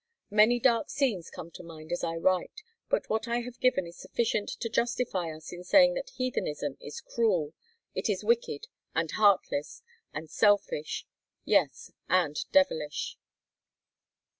Many dark scenes come to mind as I write; but what I have given is sufficient to justify us in saying that Heathenism is cruel; it is wicked, and heartless, and selfish, yes, and devilish!